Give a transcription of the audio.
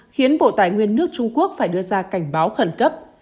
khiến bộ tài nguyên nước trung quốc phải đưa ra cảnh báo khẩn cấp